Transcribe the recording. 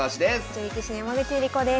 女流棋士の山口恵梨子です。